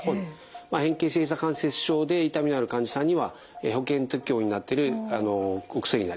変形性ひざ関節症で痛みのある患者さんには保険適用になってるお薬になります。